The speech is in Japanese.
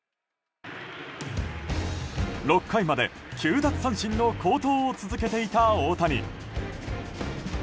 ６回まで９奪三振の好投を続けていた大谷。